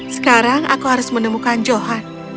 sekarang aku harus menemukan johan